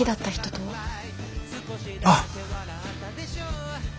ああ。